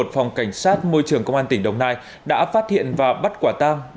phòng cảnh sát môi trường công an tỉnh đồng nai đã phát hiện và bắt quả tang